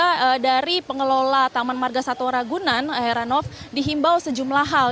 karena dari pengelola taman marga satu ragunan airanov dihimbau sejumlah hal